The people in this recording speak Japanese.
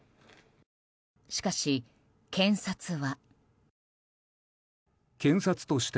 しかし、検察は。